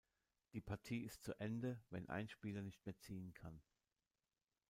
Die Partie ist zu Ende, wenn ein Spieler nicht mehr ziehen kann.